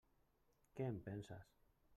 Què en penses?